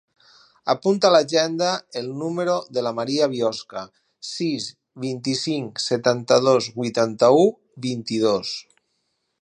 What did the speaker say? Apunta a l'agenda el número de la Maria Biosca: sis, vint-i-cinc, setanta-dos, vuitanta-u, vint-i-dos.